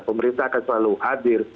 pemerintah akan selalu hadir